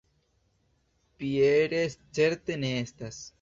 Pierre certe ne estas.